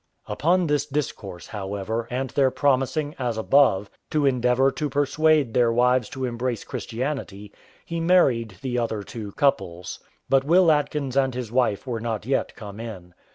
Upon this discourse, however, and their promising, as above, to endeavour to persuade their wives to embrace Christianity, he married the two other couple; but Will Atkins and his wife were not yet come in.